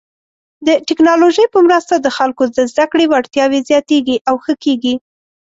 د ټکنالوژۍ په مرسته د خلکو د زده کړې وړتیاوې زیاتېږي او ښه کیږي.